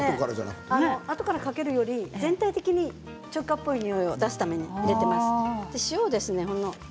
あとからかけるよりも全体的に中華っぽい味を出すために入れています。